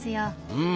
うん。